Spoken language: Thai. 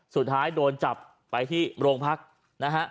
สุดท้ายโดนจับไปที่โรงพักนะฮะ